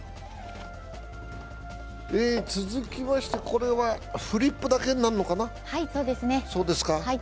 続きまして、これはフリップだけになるのかな。